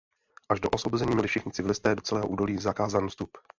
Až do osvobození měli všichni civilisté do celého údolí zakázán vstup.